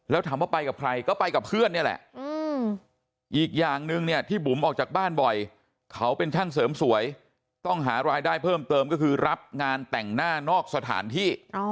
แล้วถามว่าไปกับใครก็ไปกับเพื่อนนี่แหละอีกอย่างนึงเนี่ยที่บุ๋มออกจากบ้านบ่อยเขาเป็นช่างเสริมสวยต้องหารายได้เพิ่มเติมก็คือรับงานแต่งหน้านอกสถานที่